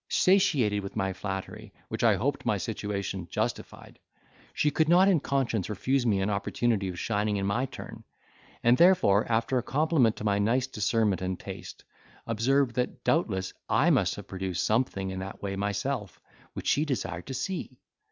Satiated with my flattery, which I hope my situation justified, she could not in conscience refuse me an opportunity of shining in my turn: and, therefore, after a compliment to my nice discernment and taste, observed, that doubtless I must have produced something in that way myself, which she desired to see.